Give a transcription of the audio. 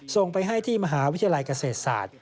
ส่งไปให้ที่มหาวิทยาลัยเกษตรศาสตร์